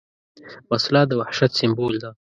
وسله د وحشت سمبول ده